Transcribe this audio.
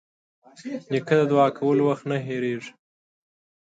نیکه د دعا کولو وخت نه هېرېږي.